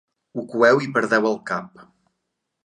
Ho coeu i perdeu el cap.